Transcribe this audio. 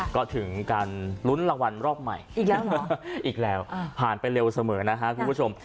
ก็ถึงการลุ้นรวรรมรอบใหม่อีกแล้วหรออีกแล้วผ่านไปเร็วเสมอนะฮะคุณผู้ชม